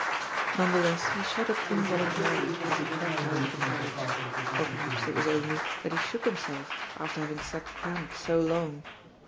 Nonetheless he shuddered involuntarily as he crept out of the carriage. Or perhaps it was only that he shook him self, after haying sat cramped so long.